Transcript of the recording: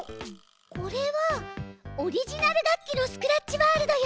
これはオリジナル楽器のスクラッチワールドよ。